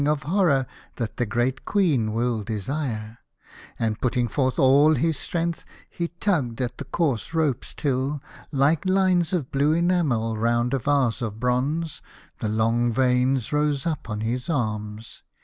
of horror that the great Queen will desire," and putting forth all his strength, he tugged at the coarse ropes till, like lines of blue enamel round a vaseot bronze, the long veins rose up on his arms.